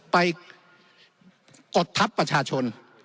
กดทัพประชาชน